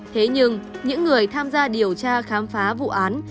thế nhưng những người tham gia điều tra khám phá vụ án